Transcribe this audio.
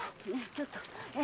ちょっとえ？